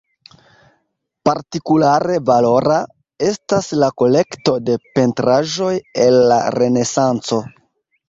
Partikulare valora, estas la kolekto de pentraĵoj el la Renesanco.